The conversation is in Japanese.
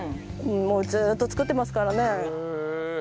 もうずっと作ってますからね。